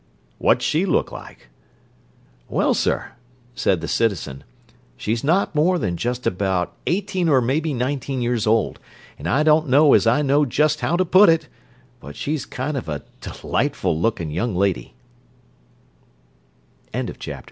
"What's she look like?" "Well, sir," said the citizen, "she's not more than just about eighteen or maybe nineteen years old, and I don't know as I know just how to put it—but she's kind of a delightful lookin' youn